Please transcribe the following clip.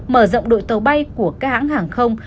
mở rộng đội tàu bay của các hãng hàng không